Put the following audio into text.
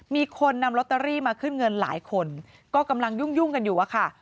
มีคนนำลอตเตอรี่มาขึ้นเงินหลายคนก็กำลังยุ่งกันอยู่อะค่ะ